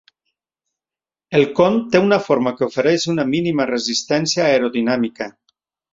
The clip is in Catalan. El con té una forma que ofereix una mínima resistència aerodinàmica.